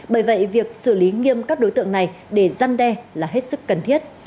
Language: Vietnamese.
bởi vậy việc xử lý nghiêm các đối tượng này để giăn đe là hết sức cần thiết